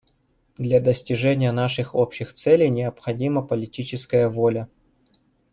Для достижения наших общих целей необходима политическая воля.